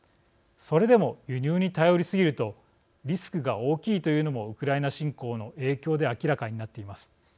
それでも輸入に頼りすぎるとリスクが大きいというのもウクライナ侵攻の影響で明らかになっています。